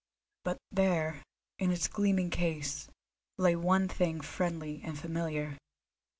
But there, in its gleaming case, lay one thing friendly and familiar.